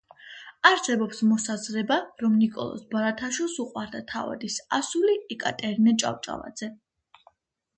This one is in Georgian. არსებობს მოსაზრება, რომ ნიკოლოზ ბარათაშვილს უყვარდა თავადის ასული ეკატერინე ჭავჭავაძე